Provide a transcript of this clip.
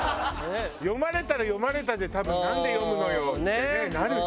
読まれたら読まれたで多分なんで読むのよってなるし。